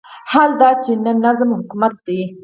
حال دا چې نه نظام حکومت دی.